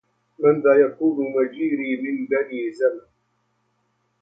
من ذا يكون مجيري من بني زمن